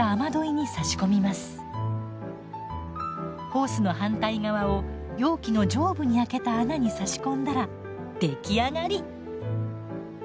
ホースの反対側を容器の上部に開けた穴に差し込んだら出来上がり！